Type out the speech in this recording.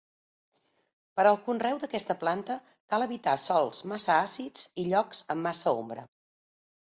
Per al conreu d'aquesta planta cal evitar sòls massa àcids i llocs amb massa ombra.